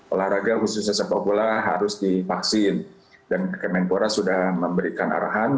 olahraga khususnya sepak bola harus divaksin dan kemenpora sudah memberikan arahan